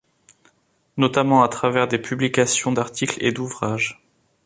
Notamment à travers des publications d'articles et d'ouvrages.